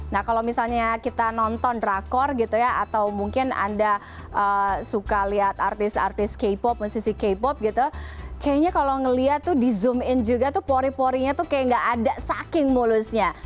nah kalau misalnya kita nonton drakor gitu ya atau mungkin anda suka lihat artis artis k pop musisi k pop gitu kayaknya kalau ngelihat tuh di zoom in juga tuh pori porinya tuh kayak gak ada saking mulusnya